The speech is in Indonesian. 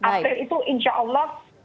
april itu insya allah